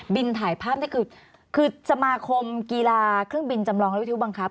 ถ่ายภาพนี่คือคือสมาคมกีฬาเครื่องบินจำลองและวิทยุบังคับ